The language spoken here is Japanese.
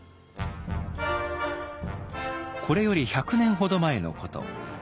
これより１００年ほど前のこと。